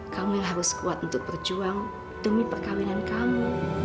kamu yang harus kuat untuk berjuang demi perkawinan kamu